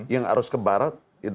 yang harus ke barat